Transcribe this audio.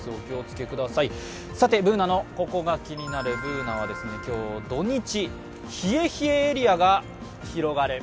Ｂｏｏｎａの「ココがキニナル」、Ｂｏｏｎａは今日、土日、冷え冷えエリアが広がる。